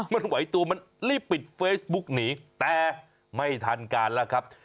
มันไหวตัวมันรีบปิดเฟซบุ๊กหนีแต่ไม่ทันการแล้วครับ